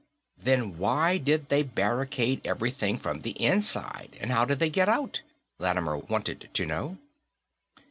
"Then why did they barricade everything from the inside, and how did they get out?" Lattimer wanted to know.